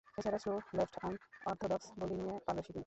এছাড়াও, slow left arm orthodox বোলিংয়ে পারদর্শী তিনি।